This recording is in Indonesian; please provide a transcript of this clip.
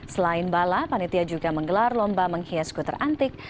selain bala panitia juga menggelar lomba menghias skuter antik